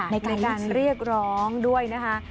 ในการเรียกร้องด้วยนะคะ